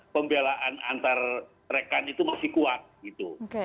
pembelaan antar rekan itu masih kuat gitu